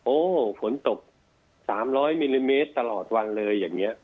โอโหผลตก๓๐๐มิลลิเมตรตลอดฝั่งเลยอย่างเงี้ย